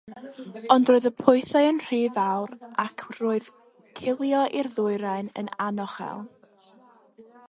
Ond roedd y pwysau yn rhy fawr ac roedd cilio i'r dwyrain yn anochel.